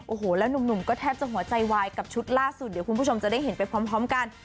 โอ้โหแล้วหนุ่มก็แทบจะหัวใจวายกับชุดล่าสุดเดี๋ยวคุณผู้ชมจะได้เห็นไปพร้อมกัน